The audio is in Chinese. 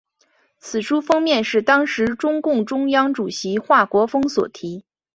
此书封面是当时中共中央主席华国锋所题。